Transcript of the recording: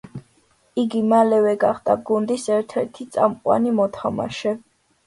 იგი მალევე გახდა გუნდის ერთ-ერთი წამყვანი მოთამაშე.